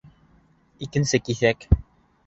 Икенсе киҫәк